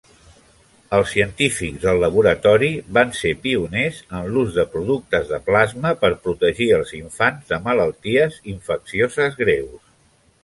Els científics del laboratori van ser pioners en l'ús de productes de plasma per protegir els infants de malalties infeccioses greus.